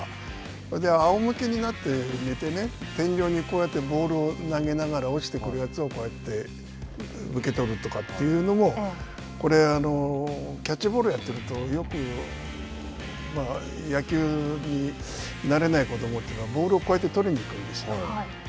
それであおむけになって寝てね、天井にこうやってボールを投げながら、落ちてくるやつをこうやって受け取るとかというのも、これ、キャッチボールをやっているとよく野球になれない子どもというのは、ボールをこうやって捕りに行くんですよ。